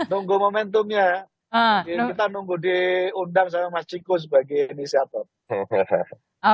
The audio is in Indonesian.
nunggu momentumnya jadi kita nunggu diundang sama mas ciko sebagai inisiator